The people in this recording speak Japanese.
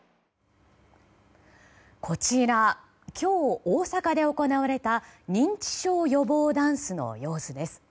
こちら今日、大阪でを行われた認知症予防ダンスの様子です。